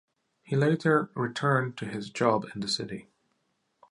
He later returned to his job in the City.